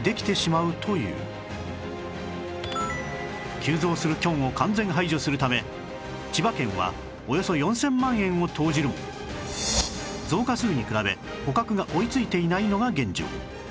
急増するキョンを完全排除するため千葉県はおよそ４０００万円を投じるも増加数に比べ捕獲が追いついていないのが現状